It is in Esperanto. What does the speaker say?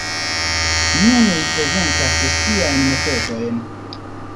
Nun li prezentas siajn metodojn.